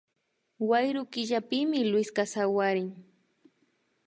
Wayru killapimi Luiska sawarin